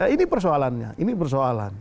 ini persoalannya ini persoalan